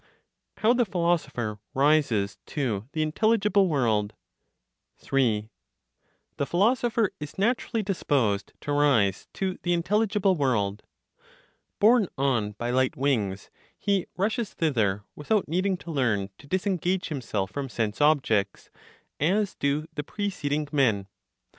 HOW THE PHILOSOPHER RISES TO THE INTELLIGIBLE WORLD. 3. The philosopher is naturally disposed to rise to the intelligible world. Borne on by light wings, he rushes thither without needing to learn to disengage himself from sense objects, as do the preceding men.